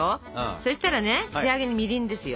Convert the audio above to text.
そしたらね仕上げにみりんですよ。